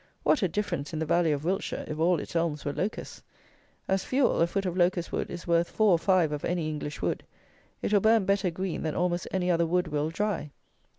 What a difference in the value of Wiltshire if all its Elms were Locusts! As fuel, a foot of Locust wood is worth four or five of any English wood. It will burn better green than almost any other wood will dry.